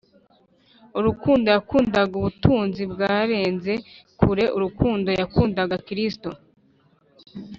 urukundo yakundaga ubutunzi bwarenze kure urukundo yakundaga kristo